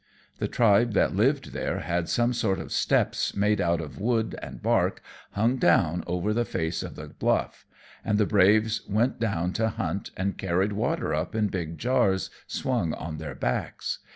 The tribe that lived there had some sort of steps, made out of wood and bark, hung down over the face of the bluff, and the braves went down to hunt and carried water up in big jars swung on their backs.